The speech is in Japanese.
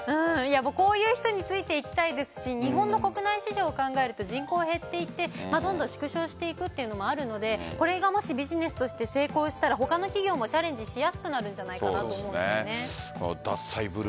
こういう人についていきたいですし日本の国内市場を考えると人口が減っていて縮小していくというのもあるのでこれがもしビジネスとして成功したら他の企業も帰って寝るだけだよ